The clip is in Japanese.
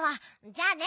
じゃあね。